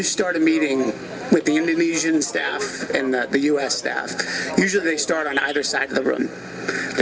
ketika anda memulai mesyuarat dengan staff indonesia dan staff amerika biasanya mereka memulai di mana mana